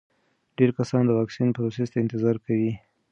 ډېر کسان د واکسین پروسې ته انتظار کوي.